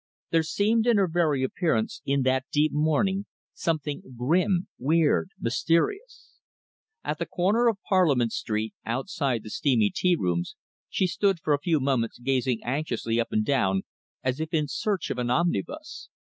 There seemed in her very appearance, in that deep mourning, something grim, weird, mysterious. At the corner of Parliament Street, outside the steamy tea rooms, she stood for a few moments gazing anxiously up and down, as if in search of an omnibus.